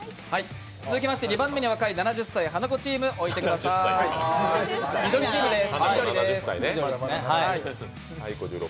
続きまして２番目に若い７０歳ハナコチーム、緑チームです。